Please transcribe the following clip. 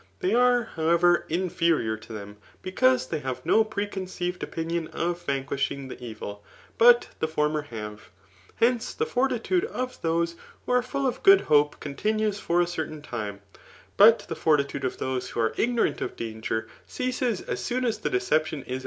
They are, however, inferior to them, be cause they have no preconceived opinion of vanquishing the evil ; but the former have. Hence, the fortitude of those who are full of good hope continues for a certain time ; but the fortitude of those who are ignorant of Digitized by Google CHAP. IX. ETHIfla. 105 cfang^ oeascs as soon as die decep&m is